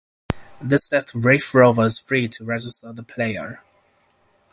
This left Raith Rovers free to register the player.